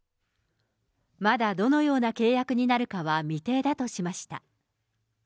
まだどのような契約になるかは未定だとしました。